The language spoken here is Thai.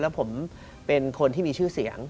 แล้วผมเป็นคนที่มีชื่อเสียง